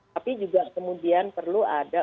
tapi juga kemudian perlu ada